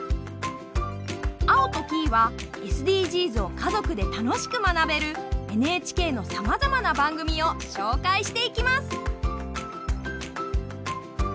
アオとキイはＳＤＧｓを家族で楽しく学べるＮＨＫのさまざまな番組を紹介していきます。